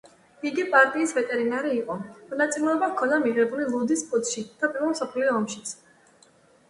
იგი პარტიის ვეტერანი იყო, მონაწილეობა ჰქონდა მიღებული ლუდის პუტჩში და პირველ მსოფლიო ომშიც.